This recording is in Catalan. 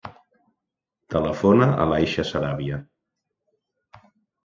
Telefona a l'Aisha Sarabia.